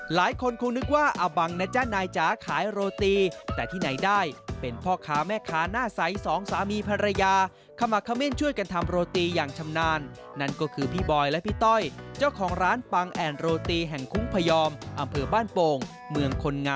หลายคนคงนึกว่าเอาบังนะจ๊ะนายจ๋าขายโรตีแต่ที่ไหนได้เป็นพ่อค้าแม่ค้าหน้าใสสองสามีภรรยาขมักเม่นช่วยกันทำโรตีอย่างชำนาญนั่นก็คือพี่บอยและพี่ต้อยเจ้าของร้านปังแอนโรตีแห่งคุ้งพยอมอำเภอบ้านโป่งเมืองคนง